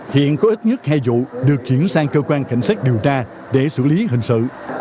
hiện có ít nhất hai vụ được chuyển sang cơ quan cảnh sát điều tra để xử lý hình sự